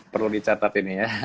perlu dicatat ini ya